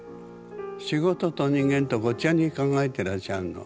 仕事と人間とごっちゃに考えてらっしゃるの。